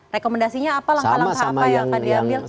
rekomendasinya apa langkah langkah apa yang akan diambil